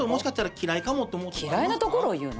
嫌いなところを言うの？